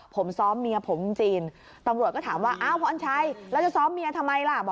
ผมซ้อมเมียผมจริงตำรวจก็ถามว่าอ้าวพรชัยแล้วจะซ้อมเมียทำไมล่ะ